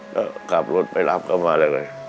ก็ขับรถไปรับเขามาเลย